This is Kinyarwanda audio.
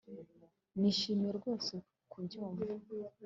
nishimiye rwose kubyumva